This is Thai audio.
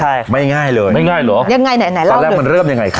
ใช่ไม่ง่ายเลยไม่ง่ายเหรอยังไงไหนไหนล่ะตอนแรกมันเริ่มยังไงคะ